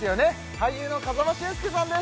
俳優の風間俊介さんです